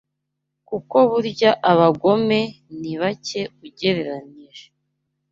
kuko burya abagome ni bake ugereranyije